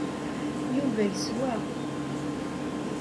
Yuba yeswa.